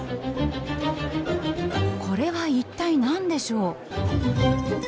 これは一体何でしょう？